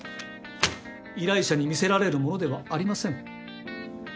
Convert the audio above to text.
依頼者に見せられるものではありません。